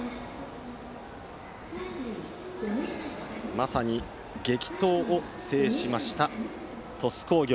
まさに激闘を制しました鳥栖工業。